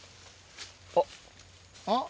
あっ。